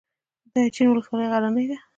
د اچین ولسوالۍ غرنۍ ده